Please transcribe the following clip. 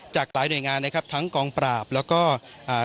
จากหลายหน่วยงานนะครับทั้งกองปราบแล้วก็อ่า